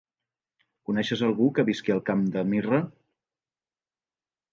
Coneixes algú que visqui al Camp de Mirra?